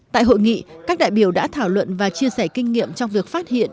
tại hội nghị các đại biểu đã thảo luận và chia sẻ kinh nghiệm trong việc phát hiện